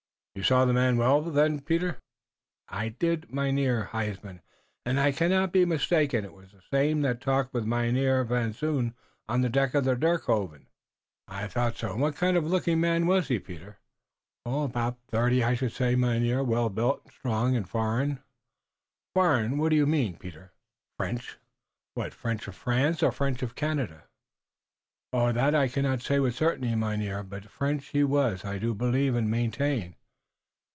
"You saw the man well, then, Peter?" "I did, Mynheer Huysman, and I cannot be mistaken. It was the same that talked with Mynheer Van Zoon on the deck of the Dirkkoeven." "I thought so. And what kind of a looking man was he, Peter?" "About thirty, I should say, Mynheer, well built and strong, and foreign." "Foreign! What mean you, Peter?" "French." "What? French of France or French of Canada?" "That I cannot say with certainty, Mynheer, but French he was I do believe and maintain."